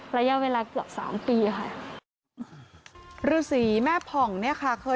ระยะเวลาเกือบ๓ปีค่ะ